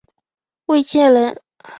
卫玠人。